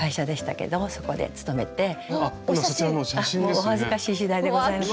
お恥ずかしいしだいでございます。